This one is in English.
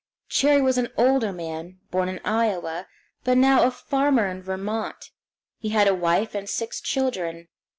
Cherrie was an older man, born in Iowa, but now a farmer in Vermont. He had a wife and six children.